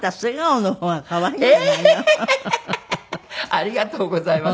ありがとうございます。